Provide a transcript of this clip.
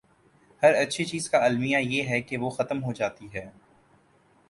ہر اچھی چیز کا المیہ یہ ہے کہ وہ ختم ہو جاتی ہے۔